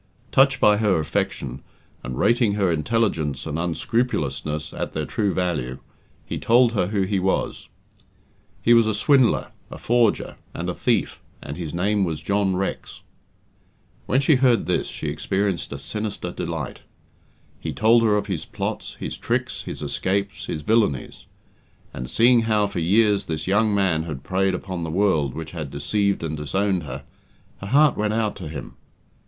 Touched by her affection, and rating her intelligence and unscrupulousness at their true value, he told her who he was. He was a swindler, a forger, and a thief, and his name was John Rex. When she heard this she experienced a sinister delight. He told her of his plots, his tricks, his escapes, his villainies; and seeing how for years this young man had preyed upon the world which had deceived and disowned her, her heart went out to him.